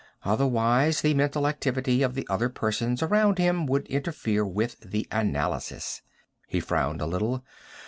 Otherwise, the mental activity of the other persons around him would interfere with the analysis." He frowned a little.